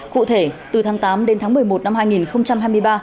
cụ thể từ tháng tám đến tháng một mươi một năm hai nghìn hai mươi ba